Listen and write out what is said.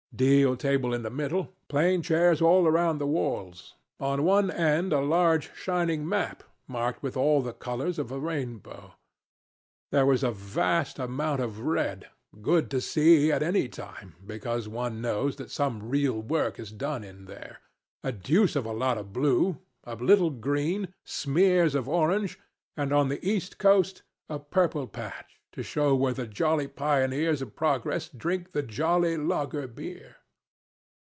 Deal table in the middle, plain chairs all round the walls, on one end a large shining map, marked with all the colors of a rainbow. There was a vast amount of red good to see at any time, because one knows that some real work is done in there, a deuce of a lot of blue, a little green, smears of orange, and, on the East Coast, a purple patch, to show where the jolly pioneers of progress drink the jolly lager beer.